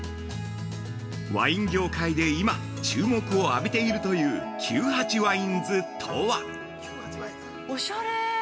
◆ワイン業界で今注目を浴びているという９８ＷＩＮＥｓとは◆おしゃれ！